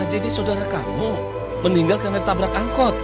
jadi ini saudara kamu meninggal karena tabrak angkot